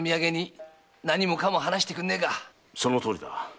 そのとおりだ。